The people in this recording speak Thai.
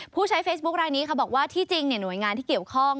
ผู้ใช้เฟซบุ๊คลายนี้ค่ะบอกว่าที่จริงหน่วยงานที่เกี่ยวข้อง